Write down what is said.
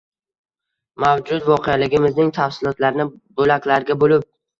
Mavjud voqeligimizning tafsilotlarini bo‘laklarga bo‘lib